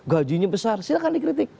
gajinya besar silahkan dikritik